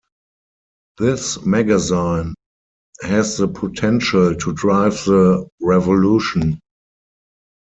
This magazine has the potential to drive the revolution.